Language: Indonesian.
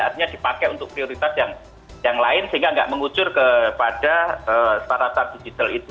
artinya dipakai untuk prioritas yang lain sehingga nggak mengucur kepada setara setara digital itu